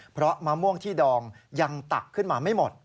เพราะมะม่วงที่ดองยังตักขึ้นมาไม่หมด